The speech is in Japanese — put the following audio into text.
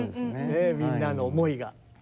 みんなの思いが。